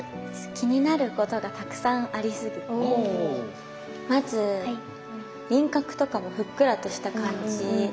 気になることがたくさんありすぎてまず輪郭とかもふっくらとした感じ。